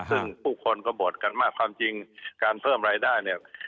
ซึ่งผู้คนก็บ่นกันมากความจริงการเพิ่มรายได้เนี่ย